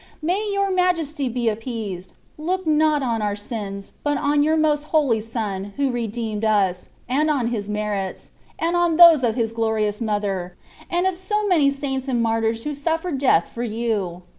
May your Majesty be ap peased : look not on our sins, but on your Most Holy Son who redeemed us, and on His merits, and on those of His glorious Mother, and of so many Saints and Martyrs who suffered death for ou.